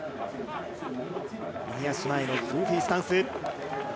右足前のグーフィースタンス。